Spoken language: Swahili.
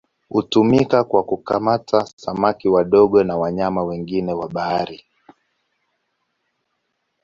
Hutumika kwa kukamata samaki wadogo na wanyama wengine wa bahari.